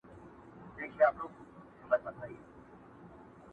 انسانيت د پېښې تر سيوري للاندي ټپي کيږي